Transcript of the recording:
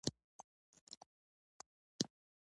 ولې دغه ټکنالوژي په ټوله نړۍ کې نه خپرېږي.